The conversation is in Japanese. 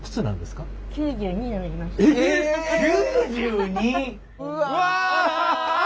うわ！